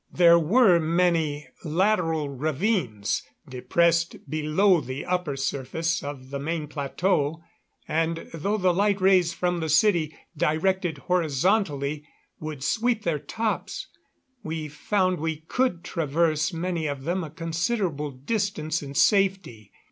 There were many lateral ravines depressed below the upper surface of the main plateau, and though the light rays from the city, directed horizontally, would sweep their tops, we found we could traverse many of them a considerable distance in safety.